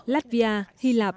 latvia hy lạp